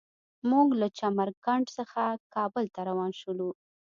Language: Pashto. موږ له چمر کنډ څخه کابل ته روان شولو.